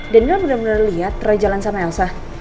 daniel bener bener liat roy jalan sama elsa